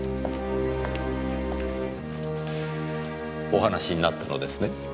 お話しになったのですね？